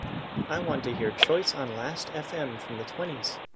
I want to hear Choice on Last Fm from the twenties.